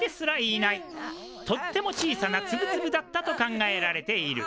とっても小さなツブツブだったと考えられている。